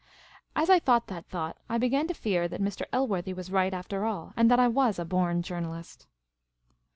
As I thought that thought, I began to fear that Mr. El worthy was right after all, and that I was a born journalist.